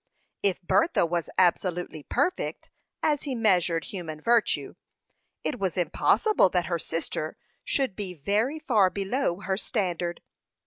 If Bertha was absolutely perfect, as he measured human virtue, it was impossible that her sister should be very far below her standard.